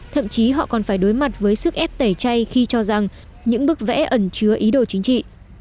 thậm chí họ còn phải đối mặt với sức ép tẩy chay khi cho rằng những bức vẽ ẩn chứa ý đồ chính trị